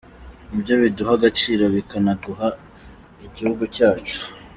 Ni byo biduha agaciro bikanagaha igihugu cyacu.